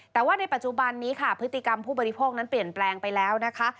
แต่ว่าในปัจจุบันนี้ค่ะพฤติกรรมผู้บริโภคนั้นเปลี่ยนแปลงไปแล้วนะคะ